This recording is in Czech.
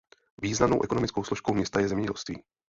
Významnou ekonomickou složkou města je zemědělství.